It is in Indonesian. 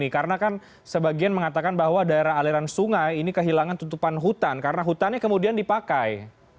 karena kan sebagian mengatakan bahwa daerah aliran sungai ini kehilangan tutupan hutan karena hutannya kemudian dipakai